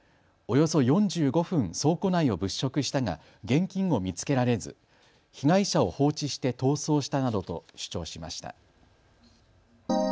およそ４５分倉庫内を物色したが現金を見つけられず、被害者を放置して逃走したなどと主張しました。